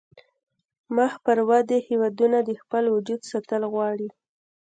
مخ پر ودې هیوادونه د خپل وجود ساتل غواړي